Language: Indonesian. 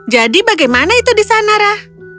jadi bagaimana itu di sana rah